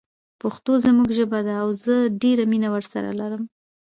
پښتو زموږ ژبه ده او زه ډیره مینه ورسره لرم